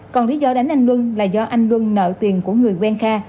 còn lý do đánh anh luân là do anh luân nợ tiền của người quen kha